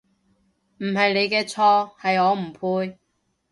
唔係你嘅錯，係我不配